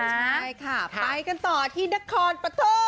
ใช่ค่ะไปกันต่อที่ดักคอนประตุ้ง